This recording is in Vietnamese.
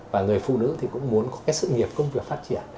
và người phụ nữ thì cũng muốn có cái sự nghiệp công việc phát triển